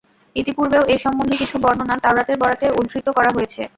ইতিপূর্বেও এ সম্বন্ধে কিছু বর্ণনা তাওরাতের বরাতে উদ্ধৃত করা হয়েছে।